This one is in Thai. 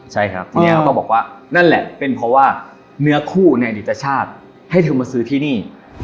ใช่ครับทีนี้เขาก็บอกว่านั่นแหละเป็นเพราะว่าเนื้อคู่ในอดีตชาติให้เธอมาซื้อที่นี่